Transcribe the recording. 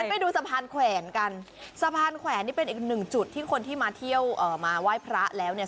ไปดูสะพานแขวนกันสะพานแขวนนี่เป็นอีกหนึ่งจุดที่คนที่มาเที่ยวเอ่อมาไหว้พระแล้วเนี่ย